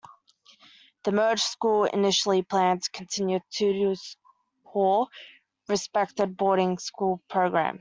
The merged school initially planned to continue Tudor Hall's respected boarding school program.